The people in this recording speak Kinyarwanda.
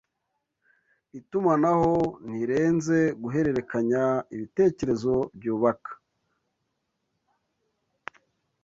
Itumanaho ntirenze guhererekanya ibitekerezo byubakaa